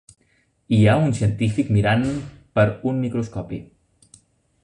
Hi ha un científic mirant per un microscopi.